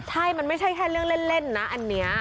ใช่มันไม่ใช่แค่เรื่องเล่นนะอันนี้